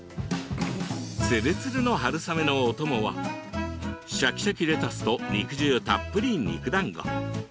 つるつるの春雨のお供はシャキシャキレタスと肉汁たっぷり肉だんご。